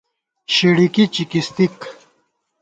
شِڑِکی چِکِستِک